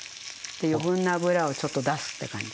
余分な脂をちょっと出すって感じ。